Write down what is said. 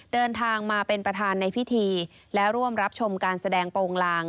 เดินทางมาเป็นประธานในพิธีและร่วมรับชมการแสดงโปรงลาง